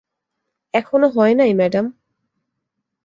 এখনো হয় নাই, ম্যাডাম।